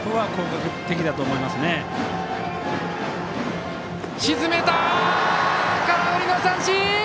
空振り三振！